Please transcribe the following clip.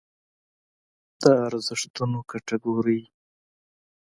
د ارزښتونو کټګورۍ